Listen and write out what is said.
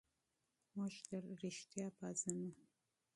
موږ رښتیا پېژنو.